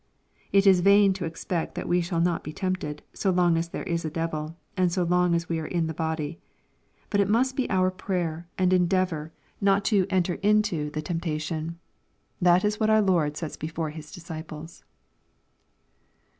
it is vain to expect that we shall not be tempted, so long as there is a devil, and so long as we ai e in the body. But it must be our praysr and endeavor not t» LUKE, CHAP. XXII. 425 enter into" thi3 temptation. This is what our Lord sets before His disciples.